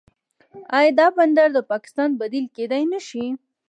آیا دا بندر د پاکستان بدیل کیدی نشي؟